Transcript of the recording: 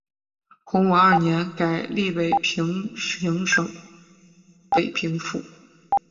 洪武二年改隶北平行省北平府。